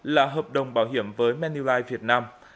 là hợp đồng bảo hiểm với manulife việt nam